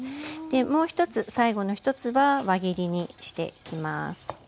もう１つ最後の１つは輪切りにしていきます。